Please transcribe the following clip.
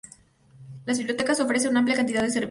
La biblioteca ofrece una amplia cantidad de servicios.